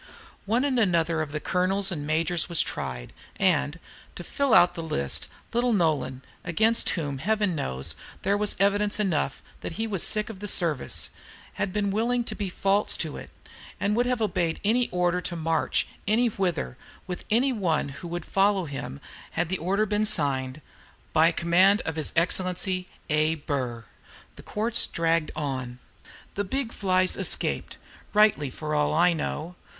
One and another of the colonels and majors were tried, and, to fill out the list, little Nolan, against whom, Heaven knows, there was evidence enough, that he was sick of the service, had been willing to be false to it, and would have obeyed any order to march any whither with any one who would follow him had the order been signed, "By command of His Exc. A. Burr." The courts dragged on. The big flies escaped, rightly for all I know.